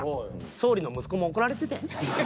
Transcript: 総理の息子も怒られてたやん。